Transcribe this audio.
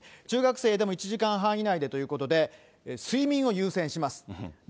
中学生でも１時間半以内でということで、睡眠を優先しますと。